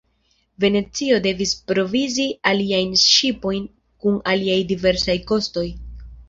Venecio devis provizi aliajn ŝipojn kun aliaj diversaj kostoj.